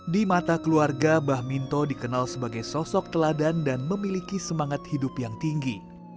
di mata keluarga bah minto dikenal sebagai sosok teladan dan memiliki semangat hidup yang tinggi